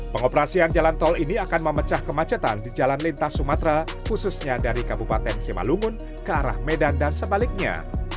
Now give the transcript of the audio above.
pengoperasian jalan tol ini akan memecah kemacetan di jalan lintas sumatera khususnya dari kabupaten simalungun ke arah medan dan sebaliknya